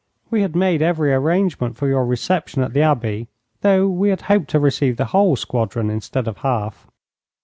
We had made every arrangement for your reception at the Abbey, though we had hoped to receive the whole squadron instead of half.